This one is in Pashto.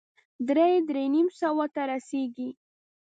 درې- درې نيم سوه ته رسېږي.